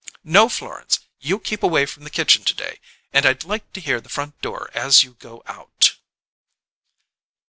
No, Florence, you keep away from the kitchen to day, and I'd like to hear the front door as you go out."